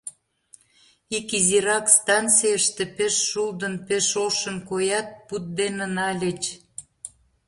Ик изирак станцийыште пеш шулдын, пеш ошын коят, пуд дене нальыч.